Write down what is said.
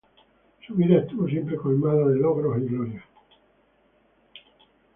Su vida estuvo siempre colmada de logros y gloria.